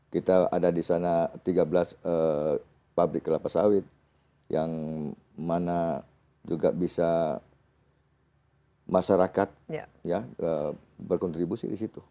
kita ada disana tiga belas pabrik kelapa sawit yang mana juga bisa masyarakat ya berkontribusi disitu